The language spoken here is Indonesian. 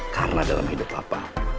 karena dalam hidup papa